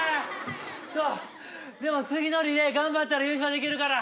でも次のリレー頑張ったら優勝できるから。